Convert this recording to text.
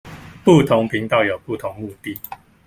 不同頻道有不同的目的